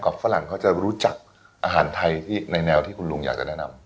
ฝรั่งเขาจะรู้จักอาหารไทยที่ในแนวที่คุณลุงอยากจะแนะนำ